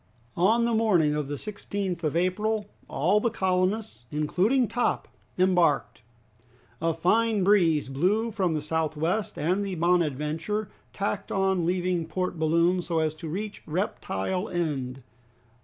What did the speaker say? On the morning of the 16th of April all the colonists, including Top, embarked. A fine breeze blew from the south west, and the "Bonadventure" tacked on leaving Port Balloon so as to reach Reptile End.